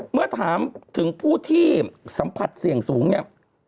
เมื่อถามถึงผู้ที่สัมผัสเสี่ยงสูงเนี่ย